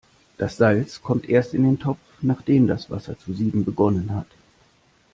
Das Salz kommt erst in den Topf, nachdem das Wasser zu sieden begonnen hat.